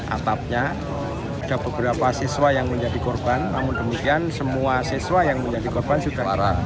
atapnya ke beberapa siswa yang menjadi korban namun demikian semua siswa yang menjadi korban